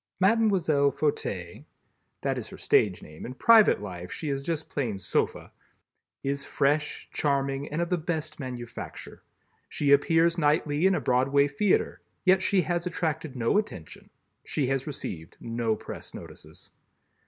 Mlle. Fauteuil (that is her stage name, in private life she is just plain Sofa) is fresh, charming and of the best manufacture. She appears nightly in a Broadway theater, yet she has attracted no attention. She has received no press notices.